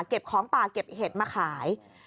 ของป่าเก็บเห็ดมาขาย